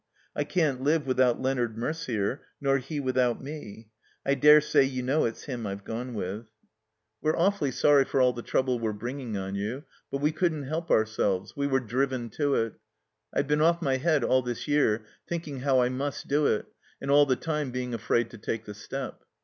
I can't live without Leonard Merder, nor he without me. I dare say you know it's him I've gone witL 16 235 THE COMBINED MAZE We're awfully sorry for all the trouble We're bringing on you. But we couldn't help ourselves. We were driven to it. I've been oS my head all this year thinking how I must do it, and all the time being afraid to take the step.